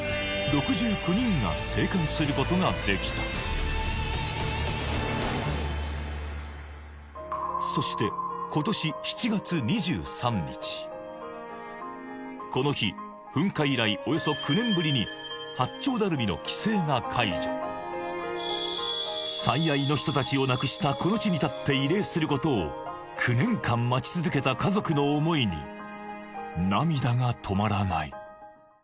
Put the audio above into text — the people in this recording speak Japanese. ６９人が生還することができたそしてこの日噴火以来およそ最愛の人たちを亡くしたこの地に立って慰霊することを９年間待ち続けた家族の思いに涙が止まらない